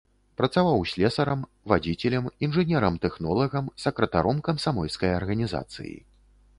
Працаваў слесарам, вадзіцелем, інжынерам-тэхнолагам, сакратаром камсамольскай арганізацыі.